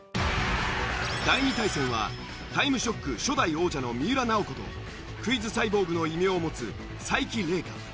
第２対戦は『タイムショック』初代王者の三浦奈保子とクイズサイボーグの異名を持つ才木玲佳。